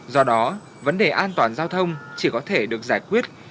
do đó vấn đề an toàn giao thông chỉ có thể được giải quyết